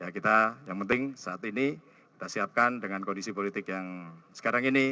kita yang penting saat ini kita siapkan dengan kondisi politik yang sekarang ini